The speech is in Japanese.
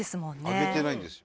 揚げてないんですよ。